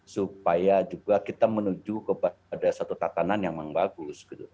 supaya juga kita menuju kepada satu tatanan yang memang bagus